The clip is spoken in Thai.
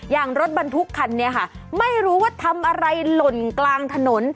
อย่างรถบรรทุกคันนี้ค่ะไม่รู้ว่าทำอะไรหล่นกลางถนน